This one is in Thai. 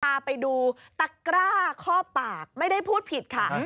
พาไปดูตะกร้าข้อปากไม่ได้พูดผิดค่ะ